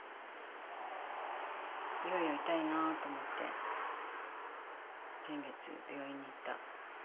いよいよ痛いなと思って先月病院に行った。